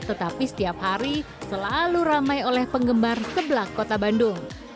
tetapi setiap hari selalu ramai oleh penggemar kebelak kota bandung